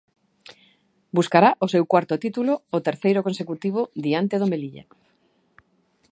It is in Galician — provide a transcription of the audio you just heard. Buscará o seu cuarto título, o terceiro consecutivo, diante do Melilla.